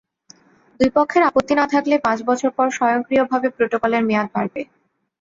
দুই পক্ষের আপত্তি না থাকলে পাঁচ বছর পর স্বয়ংক্রিয়ভাবে প্রটোকলের মেয়াদ বাড়বে।